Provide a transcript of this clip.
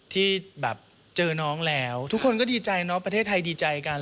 ที่แบบเจอน้องแล้วทุกคนก็ดีใจเนาะประเทศไทยดีใจกัน